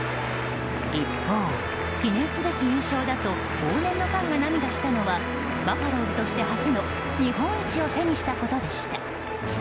一方、記念すべき優勝だと往年のファンが涙したのはバファローズとして初の日本一を手にしたことでした。